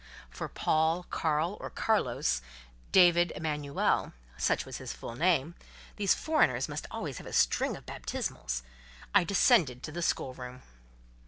for Paul Carl (or Carlos) David Emanuel—such was his full name—these foreigners must always have a string of baptismals—I descended to the schoolroom.